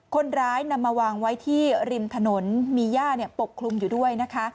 คนร้ายนำมาวางไว้ที่ริมถนนมีย่าปกคลุมอยู่ด้วยนะคะ